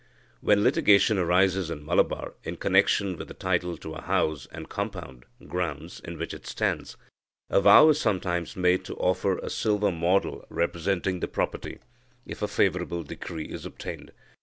When litigation arises in Malabar in connection with the title to a house and compound (grounds) in which it stands, a vow is sometimes made to offer a silver model representing the property, if a favourable decree is obtained.